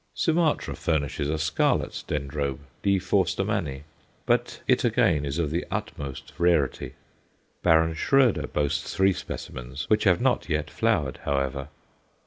Sumatra furnishes a scarlet Dendrobe, D. Forstermanni, but it again is of the utmost rarity. Baron Schroeder boasts three specimens which have not yet flowered, however.